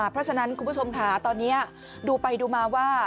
เพราะฉะนั้นคุณผู้ชมค่ะตอนนี้ดูไปดูมาว่า